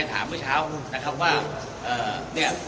ยังไม่ได้คุยกับใครเลย